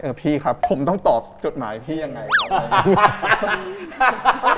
เออพี่ครับผมต้องตอบจดหมายพี่ยังไง